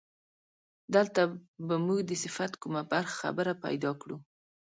دلته به موږ د صفت کومه خبره پیدا کړو.